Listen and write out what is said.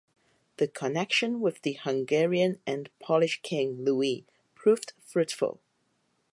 The connection with the Hungarian and Polish king Louis proved fruitful.